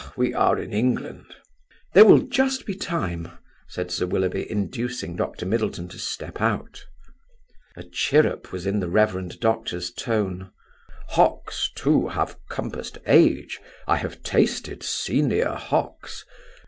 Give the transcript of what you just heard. We are in England!" "There will just be time," said Sir Willoughby, inducing Dr. Middleton to step out. A chirrup was in the reverend doctor's tone: "Hocks, too, have compassed age. I have tasted senior Hocks.